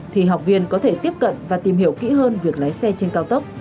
thì học viên có thể tiếp cận và tìm hiểu kỹ hơn việc lái xe trên cao tốc